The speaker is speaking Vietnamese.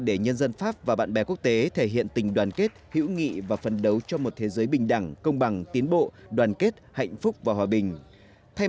để nhân dân pháp và bạn bè quốc tế thể hiện tình đoàn kết hữu nghị và phân đấu cho một thế giới bình đẳng công bằng tiến bộ đoàn kết hạnh phúc và hòa bình